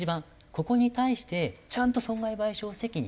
ここに対してちゃんと損害賠償責任。